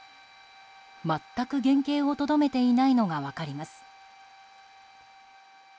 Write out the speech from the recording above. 全く原形をとどめていないのが分かります。